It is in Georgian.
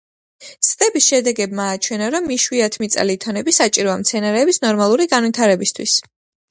ცდების შედეგებმა აჩვენა რომ იშვიათმიწა ლითონები საჭიროა მცენარეების ნორმალური განვითარებისათვის.